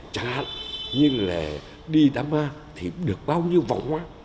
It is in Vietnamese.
chẳng hạn như là đi đám ma thì được bao nhiêu vòng hoa